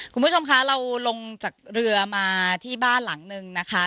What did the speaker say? คุณผู้ชมคะเราลงจากเรือมาที่บ้านหลังนึงนะคะ